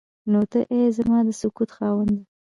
نو ته ای زما د سکوت خاونده.